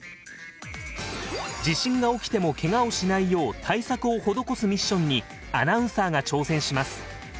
地震が起きてもけがをしないよう対策を施すミッションにアナウンサーが挑戦します。